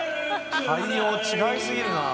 ）対応違いすぎるな。